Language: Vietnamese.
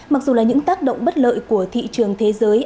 mặc dù là những tác động bất lợi của thị trường thế giới